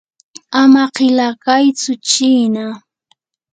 ama qila kaytsu chiina.